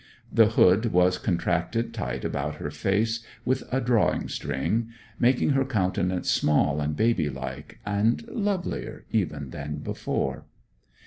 The hood was contracted tight about her face with a drawing string, making her countenance small and baby like, and lovelier even than before.